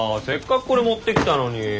せっかくこれ持ってきたのに。